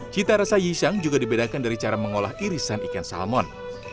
cita rasa yishang juga dibedakan dari cara mengolah irisan ikan salmon